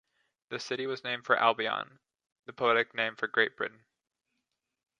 The city was named for Albion, the poetic name for Great Britain.